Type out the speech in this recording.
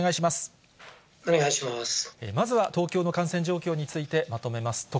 まずは東京の感染状況についてまとめます。